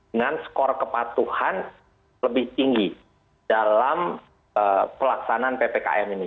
dengan skor kepatuhan lebih tinggi dalam pelaksanaan ppkm ini